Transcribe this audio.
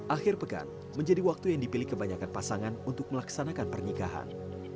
akhir pekan menjadi waktu yang dipilih kebanyakan pasangan untuk melaksanakan pernikahan